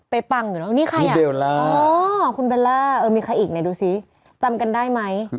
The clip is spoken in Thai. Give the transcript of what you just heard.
เป็นปังอยู่นี่ค่ะคุณเบลล่ามีใครอีกน่ะดูซิจำกันได้ไหม